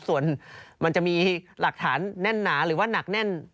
ส่วนมันจะมีหลักฐานแน่นหนาหรือว่านักแน่น